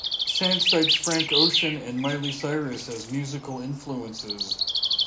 Sant cites Frank Ocean and Miley Cyrus as musical influences.